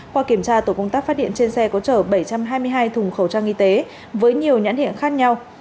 qua kiểm tra tổ công tác phát hiện trên xe có chở bảy trăm hai mươi hai thùng khẩu trang y tế với nhiều nhãn hiệu khác nhau